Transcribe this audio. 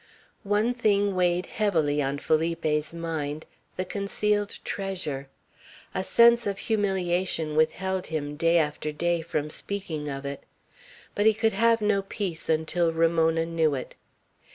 One thing weighed heavily on Felipe's mind, the concealed treasure. A sense of humiliation withheld him, day after day, from speaking of it. But he could have no peace until Ramona knew it.